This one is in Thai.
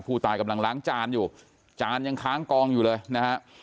ผู้ตายกำลังล้างจานอยู่จานยังค้างกองอยู่เลยนะฮะ